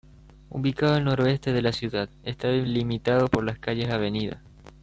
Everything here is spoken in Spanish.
Ubicado al noroeste de la ciudad, está delimitado por las calles Av.